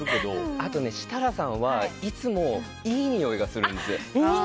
あと、設楽さんはいつもいいにおいがするんですよ。